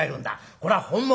これは本物」。